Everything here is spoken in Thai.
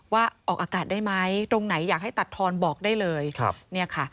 ว่าออกอากาศได้ไหมตรงไหนอยากให้ตัดทอนบอกได้เลยเนี่ยค่ะ